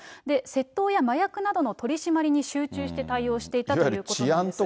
窃盗や麻薬などの取締りに集中して対応していたということです。